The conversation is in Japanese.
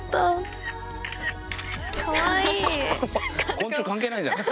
昆虫関係ないじゃん。